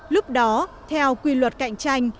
lúc đó theo quy luật cạnh tranh